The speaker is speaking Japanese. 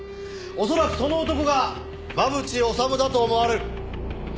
恐らくその男が真渕治だと思われる。